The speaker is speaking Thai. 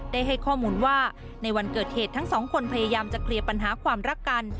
ได้ให้ข้อมูลว่าในวันเกิดเหตุทั้งสองคนพยายามจะเคลียร์ปัญหาความรักกัน